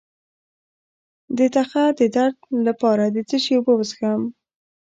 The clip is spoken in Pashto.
د تخه د درد لپاره د څه شي اوبه وڅښم؟